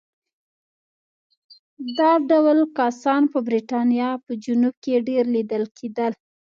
دا ډول کسان په برېټانیا په جنوب کې ډېر لیدل کېدل.